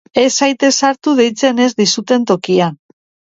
Ez zaitez sartu deitzen ez dizuten tokian.